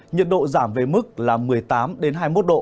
nhiệt độ giảm về mức là một mươi tám hai mươi một độ